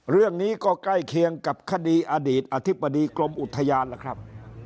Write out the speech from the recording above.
เรื่องนี้ก็ใกล้เคียงกับคดีอดีตอธิบดีกรมอุทยานล่ะครับ